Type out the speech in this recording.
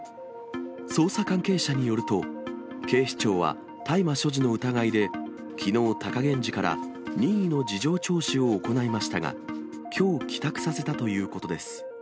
捜査関係者によると、警視庁は、大麻所持の疑いで、きのう、貴源治から任意の事情聴取を行いましたが、きょう、帰宅させたということです。